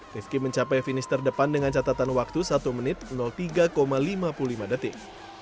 rivki mencapai finish terdepan dengan catatan waktu satu menit tiga lima puluh lima detik